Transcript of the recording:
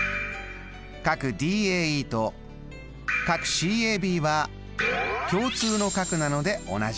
ＤＡＥとＣＡＢは共通の角なので同じ。